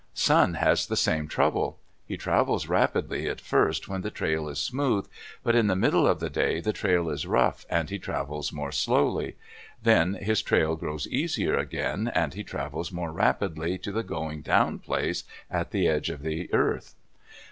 Sun has the same trouble. He travels rapidly at first when the trail is smooth, but in the middle of the day the trail is rough and he travels more slowly. Then his trail grows easier again, and he travels more rapidly to the going down place at the edge of the earth."